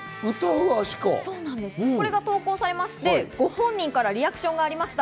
これが投稿されまして、ご本人からリアクションがありました。